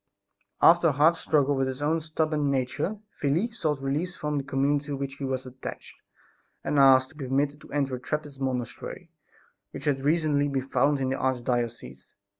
After a hard struggle with his own stubborn nature, Felix sought release from the community to which he was attached and asked to be permitted to enter a Trappist monastery which had recently been founded in the arch diocese.